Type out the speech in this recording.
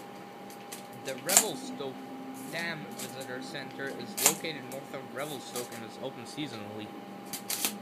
The Revelstoke Dam Visitor Centre is located north of Revelstoke and is open seasonally.